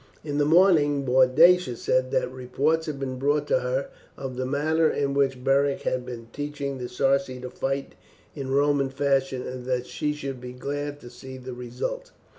In the morning Boadicea said that reports had been brought to her of the manner in which Beric had been teaching the Sarci to fight in Roman fashion, and that she should be glad to see the result.